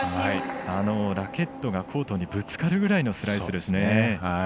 ラケットがコートにぶつかるぐらいのスライスですね。